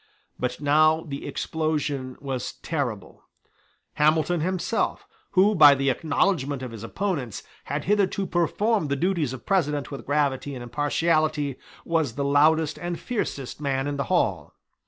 But now the explosion was terrible. Hamilton himself, who, by the acknowledgment of his opponents, had hitherto performed the duties of President with gravity and impartiality, was the loudest and fiercest man in the hall.